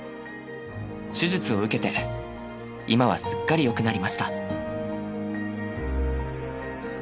手術を受けて今はすっかりよくなりました。